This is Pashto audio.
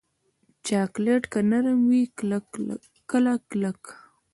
چاکلېټ کله نرم وي، کله کلک.